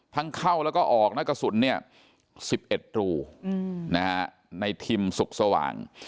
ทั้งเข้าแล้วก็ออกและกระสุน๑๑รูในทิมศุกร์สว่าง